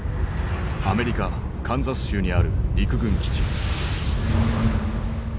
アメリカカンザス州にある陸軍基地。